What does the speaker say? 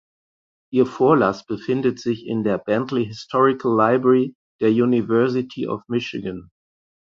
Ihr Vorlass befindet sich in der Bentley Historical Library der University of Michigan.